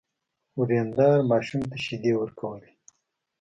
ورېندار ماشوم ته شيدې ورکولې.